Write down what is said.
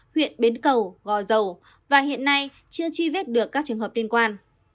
huyện bến cầu gò dầu và hiện nay chưa truy vết được các trường hợp liên quan